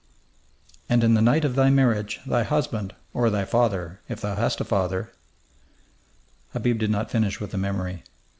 "And in the night of thy marriage thy husband, or thy father, if thou hast a father " Habib did not finish with the memory.